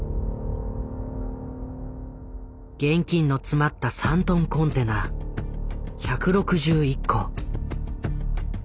現金の詰まった３トンコンテナ１６１個。